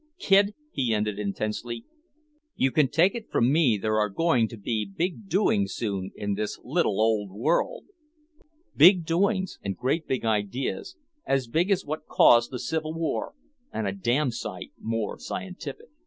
Kid," he ended intensely, "you can take it from me there are going to be big doings soon in this little old world, big doings and great big ideas, as big as what caused the Civil War and a damn sight more scientific.